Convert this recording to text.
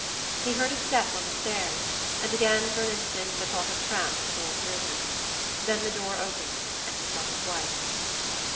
He heard a step on the stairs, and again for an instant the thought of tramps tore through him. Then the door opened and he saw his wife.